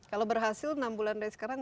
kalau berhasil enam bulan dari sekarang